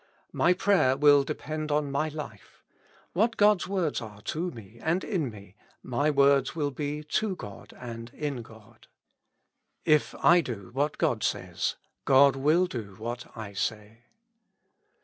My prayer will depend on my life : what God's words are to me and in me, my words will be to God and in God. If I do what God says, God will do what I say.